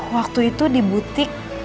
waktu itu di butik